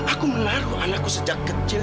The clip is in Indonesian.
aku menaruh anakku sejak kecil